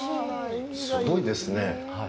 すごいですね。